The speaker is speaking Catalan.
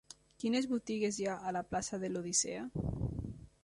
Quines botigues hi ha a la plaça de l'Odissea?